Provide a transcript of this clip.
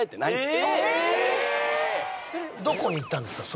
どこに行ったんですか？